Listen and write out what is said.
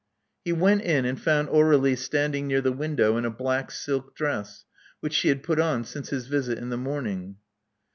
He went in and found Aur^lie standing near the window in a black silk dress, which she had put on since his visit in the morning.